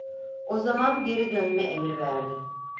O zaman geri dönme emri verdi.